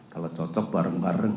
kalau cocok bareng bareng